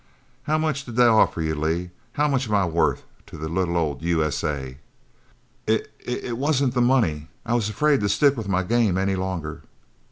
How much did they offer you, Lee? How much am I worth to the little old U.S.A.?" "I I it wasn't the money. I was afraid to stick with my game any longer."